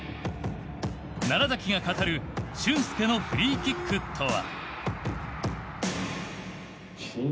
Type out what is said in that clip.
崎が語る俊輔のフリーキックとは？